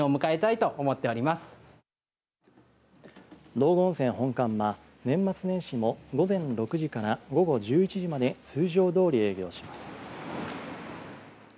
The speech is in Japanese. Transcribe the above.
道後温泉本館は年末年始も午前６時から午後１１時まで通常どおり営業します。